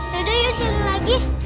yaudah yuk cari lagi